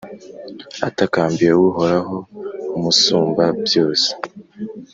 atakambiye Uhoraho Umusumbabyose,